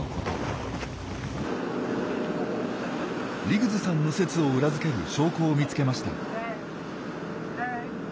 リグズさんの説を裏付ける証拠を見つけました。